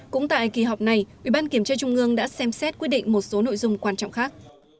cũng tại kỳ họp này ủy ban kiểm tra trung ương đã xem xét quyết định một số nội dung quan trọng khác